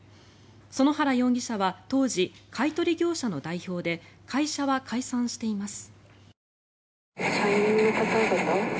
園原容疑者は当時、買い取り業者の代表で会社は解散しています。